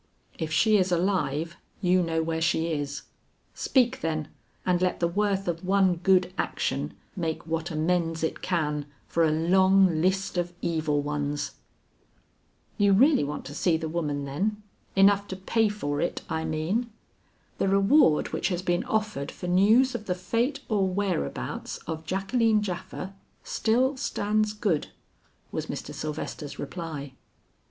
If she is alive, you know where she is; speak then, and let the worth of one good action make what amends it can for a long list of evil ones." "You really want to see the woman, then; enough to pay for it, I mean?" "The reward which has been offered for news of the fate or whereabouts of Jacqueline Japha, still stands good," was Mr. Sylvester's reply.